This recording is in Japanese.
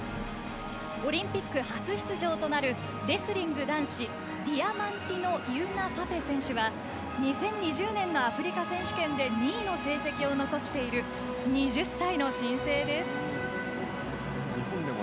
オリンピック初出場となるレスリング男子ディアマンティノ・イウナファフェ選手は２０２０年のアフリカ選手権で２位の成績を残している２０歳の新星です。